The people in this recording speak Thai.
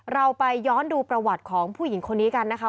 เราไปย้อนดูประวัติของผู้หญิงคนนี้กันนะคะ